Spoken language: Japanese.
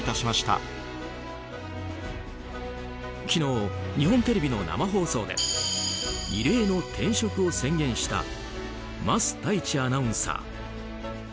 昨日、日本テレビの生放送で異例の転職を宣言した桝太一アナウンサー。